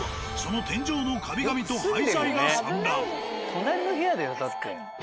隣の部屋だよだって。